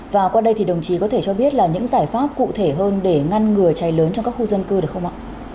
và qua đây thì đồng chí có thể cho biết là những giải pháp cụ thể hơn để ngăn ngừa cháy lớn trong các khu dân cư được không ạ